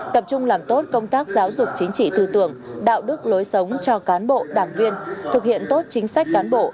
tập trung làm tốt công tác giáo dục chính trị tư tưởng đạo đức lối sống cho cán bộ đảng viên thực hiện tốt chính sách cán bộ